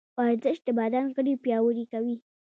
ورزش د بدن غړي پیاوړي کوي.